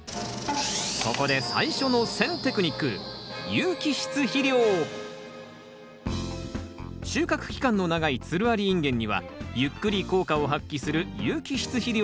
ここで最初の選テクニック収穫期間の長いつるありインゲンにはゆっくり効果を発揮する有機質肥料が相性抜群！